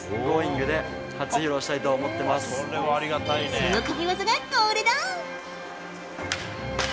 その神技がこれだ！